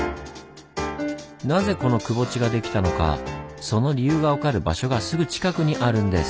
なぜこのくぼ地ができたのかその理由が分かる場所がすぐ近くにあるんです。